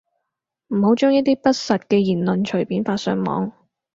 唔好將一啲不實嘅言論隨便發上網